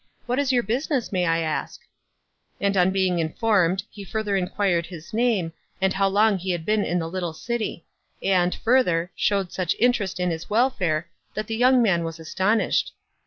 What is your business, may I ask ?" And on being informed, he further inquired his name, and how long he had been in the little city; and, further, showed such interest in his welfare, that the young man was astonished.